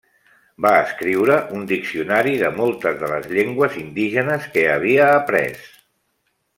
Va escriure un diccionari de moltes de les llengües indígenes que havia après.